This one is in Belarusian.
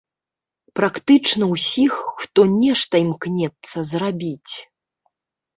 Практычна ўсіх, хто нешта імкнецца зрабіць.